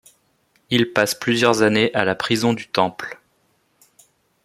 Il passe plusieurs années à la prison du Temple.